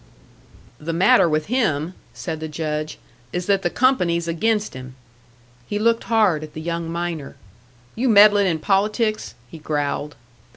"The matter with him," said the Judge, "is that the company's against him." He looked hard at the young miner. "You meddlin' in politics?" he growled.